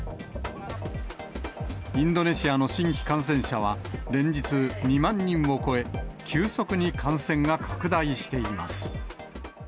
インドネシアの新規感染者は連日２万人を超え、急速に感染が拡大しています。